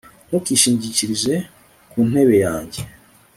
Ntukishingikirize ku ntebe yanjye